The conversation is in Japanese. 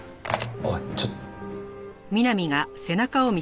おいちょっ！